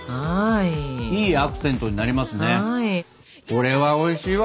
これはおいしいわ。